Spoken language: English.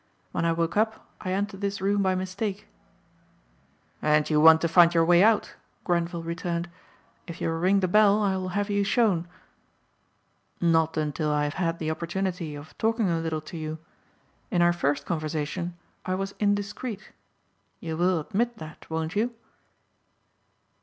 When I woke up I entered this room by mistake." "And you want to find your way out?" Grenvil returned. "If you will ring the bell I will have you shown." "Not until I have had the opportunity of talking a little to you. In our first conversation I was indiscreet. You will admit that, won't you?"